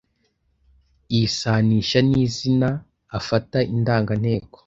yisanisha ni zina afata indanganteko